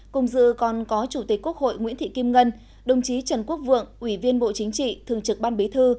cùng dự còn có chủ tịch quốc hội nguyễn thị kim ngân đồng chí trần quốc vượng ủy viên bộ chính trị thường trực ban bí thư